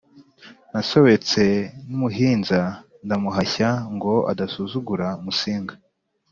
Nasobetse n'umuhinza ndamuhashya ngo adasuzugura Musinga